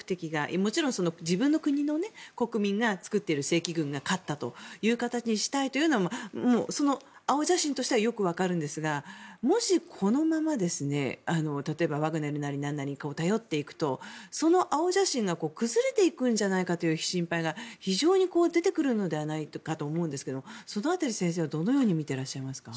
もちろん自分の国の国民が作っている正規軍が勝ったという形にしたいというのは青写真としてはよく分かるんですがもしこのまま例えばワグネルなりなんなりに頼っていくと、その青写真が崩れていくんじゃないかという心配が非常に出てくるのではないかと思うんですけれどもその辺り、先生はどのように見ていらっしゃいますか。